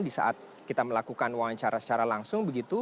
disaat kita melakukan wawancara secara langsung begitu